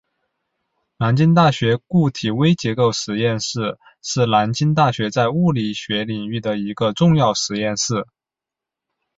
南京大学固体微结构物理实验室是南京大学在物理学领域的一个重要实验室。